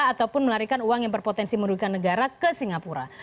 ataupun melarikan uang yang berpotensi merugikan negara ke singapura